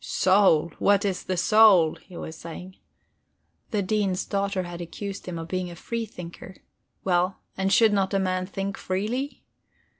"Soul what is the soul?" he was saying. The Dean's daughter had accused him of being a free thinker well, and should not a man think freely?